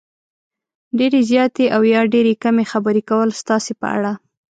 ډېرې زیاتې او یا ډېرې کمې خبرې کول ستاسې په اړه